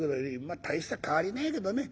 まあ大した変わりねえけどね。